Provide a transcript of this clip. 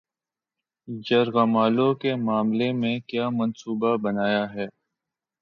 یرغمالوں کے معاملے میں کیا منصوبہ بنایا ہے